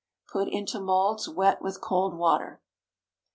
Put into moulds wet with cold water.